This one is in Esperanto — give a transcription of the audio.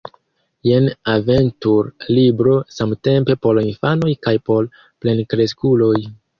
Jen aventur-libro samtempe por infanoj kaj por plenkreskuloj.